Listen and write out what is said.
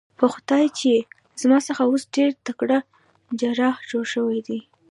په خدای چې زما څخه اوس ډېر تکړه جراح جوړ شوی.